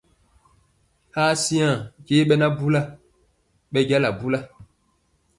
Ha siŋa je ɓɛ na bula, ɓɛ jala bula.